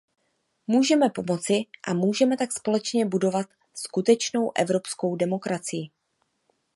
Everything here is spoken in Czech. Můžeme pomoci, a můžeme tak společně budovat skutečnou evropskou demokracii.